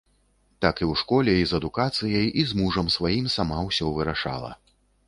Так і ў школе, і з адукацыяй, і з мужам сваім сама ўсё вырашала.